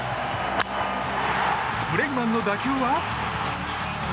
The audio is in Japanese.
ブレグマンの打球は。